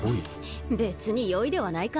別に良いではないか。